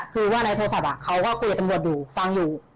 คือว่าในโทรศัพท์เขาก็คุยกับตำรวจอยู่ฟังอยู่